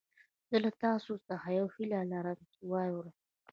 زه له تاسو څخه يوه هيله لرم چې يې واورئ.